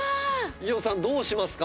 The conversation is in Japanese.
伊代さんどうしますか？